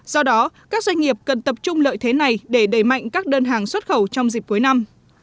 do đó các doanh nghiệp cần tập trung lợi thế này để đẩy mạnh các đơn hàng xuất khẩu trong dịp cuối năm